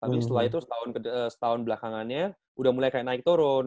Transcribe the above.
tapi setelah itu setahun belakangannya udah mulai kayak naik turun